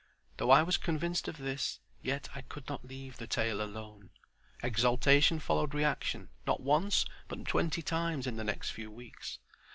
Though I was convinced of this, yet I could not leave the tale alone. Exaltation followed reaction, not once, but twenty times in the next few weeks.